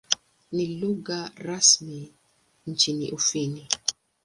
Ni lugha rasmi nchini Ufini.